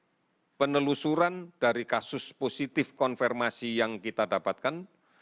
untuk penelusuran dari kasus positif konfirmasi yang kita dapatkan